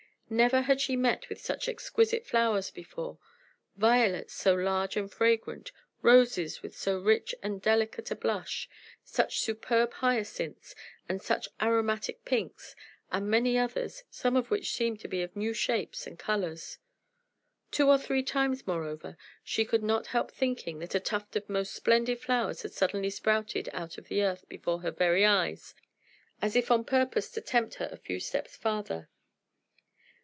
Never had she met with such exquisite flowers before violets, so large and fragrant roses, with so rich and delicate a blush such superb hyacinths and such aromatic pinks and many others, some of which seemed to be of new shapes and colours. Two or three times, moreover, she could not help thinking that a tuft of most splendid flowers had suddenly sprouted out of the earth before her very eyes, as if on purpose to tempt her a few steps farther.